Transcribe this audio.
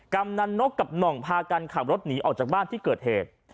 กำนันนกกับหน่องพากันขับรถหนีออกจากบ้านที่เกิดเหตุ